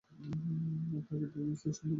আকার আকৃতিতে স্ত্রী শিম্পাঞ্জির শ্ব-দ্বন্তের মত।